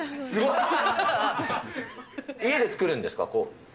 すごい？家で作るんですか？